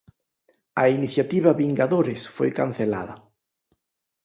A Iniciativa Vingadores foi cancelada.